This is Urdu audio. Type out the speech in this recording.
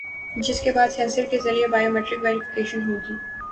جس کے بعد سینسر کے ذریعے بائیو میٹرک ویری فیکیشن ہوگی